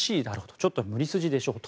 ちょっと無理筋でしょうと。